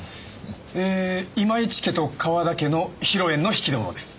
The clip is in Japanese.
えー今市家と河田家の披露宴の引き出物です。